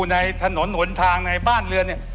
ในคูในถนนหนทางในบ้านเรือน